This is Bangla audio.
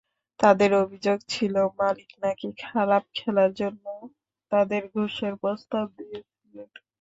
তাঁদের অভিযোগ ছিল, মালিক নাকি খারাপ খেলার জন্য তাদের ঘুষের প্রস্তাব দিয়েছিলেন।